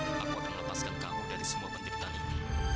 aku akan melepaskan kamu dari semua pentip tanik